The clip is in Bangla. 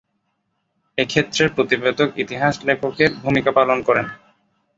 এ ক্ষেত্রে প্রতিবেদক ইতিহাস লেখকের ভূমিকা পালন করেন।